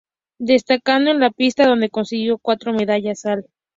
Destacó en la pista donde consiguió cuatro medallas al